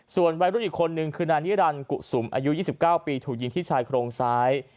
ส่วนวัยรุ่นอีกคนนึงคือนานิรันดิกุศุมอายุ๒๙ปีถูกยิงที่ชายโครงซ้าย